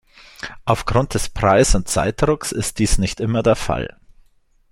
Aufgrund des Preis- und Zeitdrucks ist dies nicht immer der Fall.